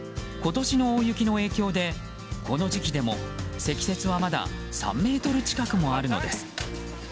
今年の大雪の影響でこの時期でも積雪はまだ３ｍ近くもあるのです。